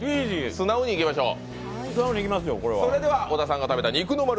素直にいきましょう。